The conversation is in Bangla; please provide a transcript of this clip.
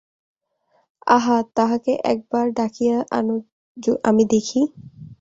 আহা, তাহাকে একবার ডাকিয়া আনো, আমি দেখি।